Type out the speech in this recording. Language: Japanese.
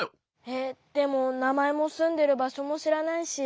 えっでもなまえもすんでるばしょもしらないし。